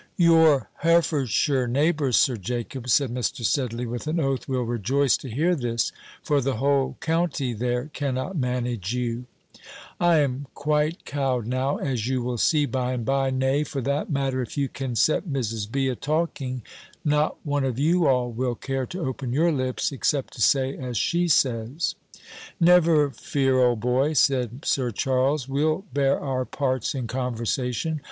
"Your Herefordshire neighbours, Sir Jacob," said Mr. Sedley, with an oath, "will rejoice to hear this; for the whole county there cannot manage you." "I am quite cow'd now, as you will see by and by; nay, for that matter, if you can set Mrs. B. a talking, not one of you all will care to open your lips, except to say as she says." "Never fear, old boy," said Sir Charles, "we'll bear our parts in conversation.